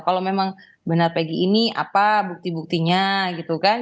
kalau memang benar pagi ini apa bukti buktinya gitu kan